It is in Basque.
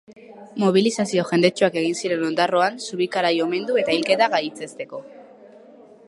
Mobilizazio jendetsuak egin ziren Ondarroan Zubikarai omendu eta hilketa gaitzesteko.